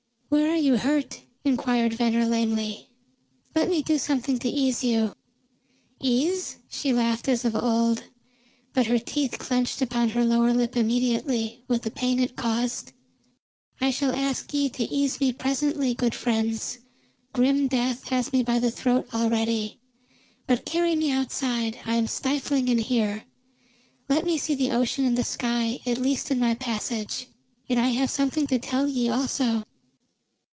"Where are you hurt?" inquired Venner lamely. "Let me do something to ease you." "Ease?" she laughed as of old, but her teeth clenched upon her lower lip immediately, with the pain it caused. "I shall ask ye to ease me presently, good friends. Grim Death has me by the throat already. But carry me outside. I am stifling in here. Let me see the ocean and the sky at least in my passage. And I have something to tell ye also."